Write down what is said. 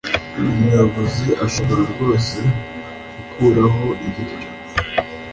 Umuyobozi arashobora rwose gukuraho ibiryo.